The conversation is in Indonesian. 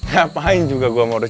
ngapain juga gue modus